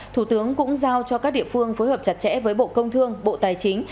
thủ tướng cũng giao cho các địa phương phối hợp chặt chẽ với bộ công thương bộ tài chính